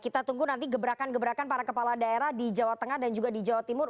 kita tunggu nanti gebrakan gebrakan para kepala daerah di jawa tengah dan juga di jawa timur